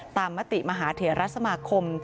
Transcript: ตามมติมหาเถียรัฐสมาคม